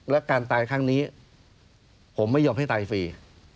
และการตายครั้งนี้ผมไม่ยอมให้ตายฟรี